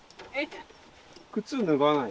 靴脱がない？